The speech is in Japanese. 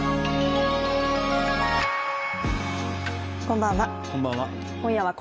こんばんは。